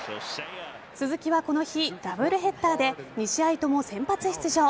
鈴木はこの日、ダブルヘッダーで２試合とも先発出場。